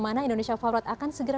jadi ini oke untuk intinya